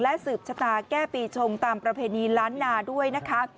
สืบชะตาแก้ปีชงตามประเพณีล้านนาด้วยนะคะ